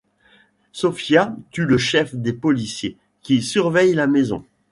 Sofia tue le chef des policiers qui surveillent la maison...